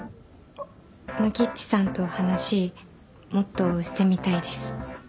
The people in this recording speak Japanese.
ノキッチさんとお話もっとしてみたいです。